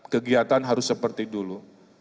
kegiatan harus seperti dulu